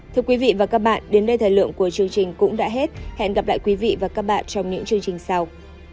thưa quý vị và các bạn đến đây thời lượng của chương trình cũng đã hết hẹn gặp lại quý vị và các bạn trong những chương trình sau